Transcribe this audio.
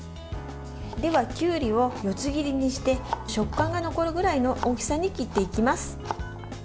では、きゅうりを四つ切りにして食感が残るぐらいの大きさに切っていきます。